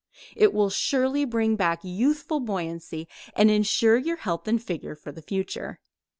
It will surely bring back youthful buoyancy and insure your health and figure for the future.